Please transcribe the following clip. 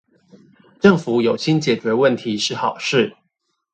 政府有心解決問題是好事